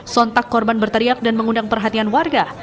sontak korban berteriak dan mengundang perhatian warga